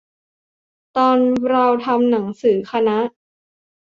ตอนเราทำหนังสือคณะ